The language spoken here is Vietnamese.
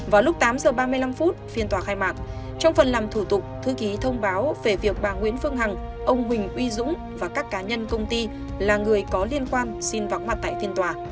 vào lúc tám h ba mươi năm phiên tòa khai mạc trong phần làm thủ tục thư ký thông báo về việc bà nguyễn phương hằng ông huỳnh uy dũng và các cá nhân công ty là người có liên quan xin vắng mặt tại phiên tòa